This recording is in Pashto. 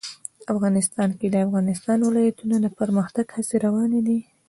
افغانستان کې د د افغانستان ولايتونه د پرمختګ هڅې روانې دي.